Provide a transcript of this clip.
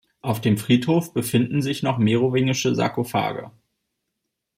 Auf dem Friedhof befinden sich noch merowingische Sarkophage.